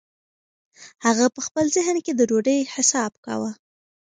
هغه په خپل ذهن کې د ډوډۍ حساب کاوه.